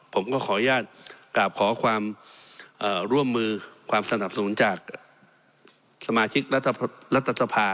ผมก็ขออนุญาตกราบขอความร่วมมือความสนับสนุนจากสมาชิกรัฐสภา